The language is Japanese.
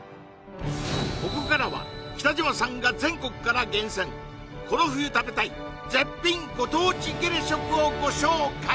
ここからは北島さんが全国から厳選この冬食べたい絶品ご当地ゲレ食をご紹介